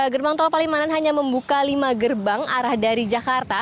gerbang tol palimanan hanya membuka lima gerbang arah dari jakarta